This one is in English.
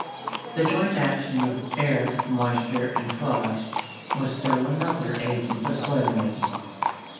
The joint action of air, moisture, and frost was still another agent of soil making.